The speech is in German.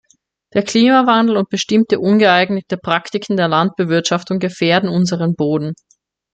Der Klimawandel und bestimmte ungeeignete Praktiken der Landbewirtschaftung gefährden unseren Boden.